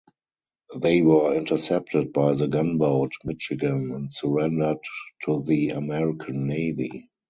They were intercepted by the gunboat "Michigan" and surrendered to the American navy.